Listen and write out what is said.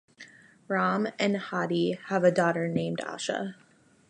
Rahman and Hadi have a daughter named Asha.